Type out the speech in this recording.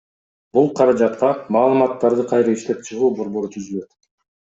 Бул каражатка Маалыматтарды кайра иштеп чыгуу борбору түзүлөт.